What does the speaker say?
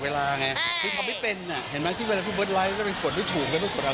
เพราะแก่ใช่มั้ยพี่แจ้งเสียงพี่เบิร์ทบอกว่าเราต้องเด้งตลอดเวลา